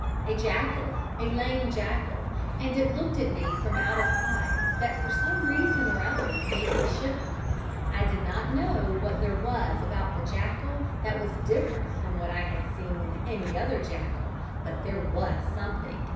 A jackal, a lame jackal, and it looked at me from out of eyes that for some reason or other made me shiver. I did not know what there was about the jackal that was different from what I had seen in any other jackal, but there was a something.